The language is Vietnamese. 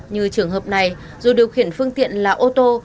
như trường hợp này dù điều khiển phương tiện là ô tô